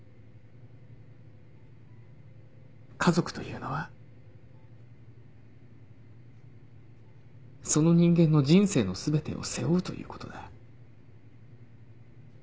家族というのはその人間の人生のすべてを背負うということだ。